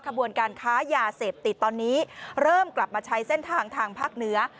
ขบวนการค้ายาเสพติดตอนนี้เริ่มกลับมาใช้เส้นทางทางภาคเหนือ